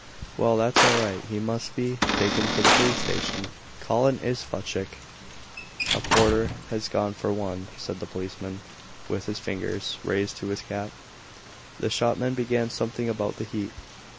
"Well, that's all right. He must be taken to the police station. Call an isvostchik." "A porter has gone for one," said the policeman, with his fingers raised to his cap. The shopman began something about the heat.